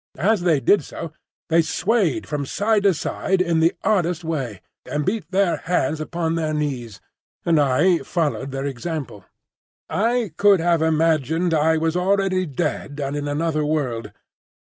As they did so, they swayed from side to side in the oddest way, and beat their hands upon their knees; and I followed their example. I could have imagined I was already dead and in another world.